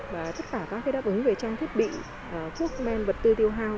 và tất cả các đáp ứng về trang thiết bị thuốc men vật tư tiêu hao